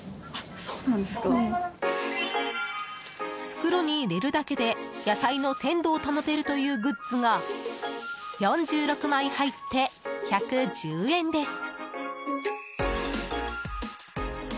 袋に入れるだけで野菜の鮮度を保てるというグッズが４６枚入って１１０円です。